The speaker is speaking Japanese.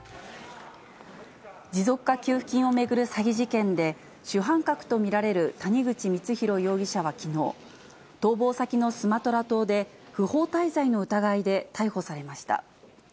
持続化給付金を巡る詐欺事件で、主犯格と見られる谷口光弘容疑者はきのう、逃亡先のスマトラ島で、不法滞在の疑いで、逮捕されました。